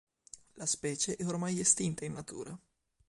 La specie è ormai estinta in natura.